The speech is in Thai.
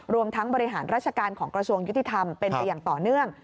รวมทั้งบริหารราชการของกระทรวงยุติธรรมเป็นไปอย่างต่อเนื่อง